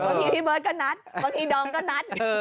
บางทีพี่เบิร์ตก็นัดบางทีดอมก็นัด